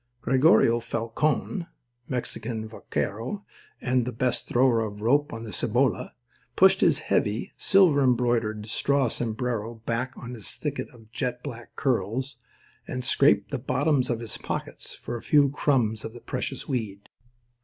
Gregorio Falcon, Mexican vaquero and best thrower of the rope on the Cibolo, pushed his heavy, silver embroidered straw sombrero back upon his thicket of jet black curls, and scraped the bottoms of his pockets for a few crumbs of the precious weed.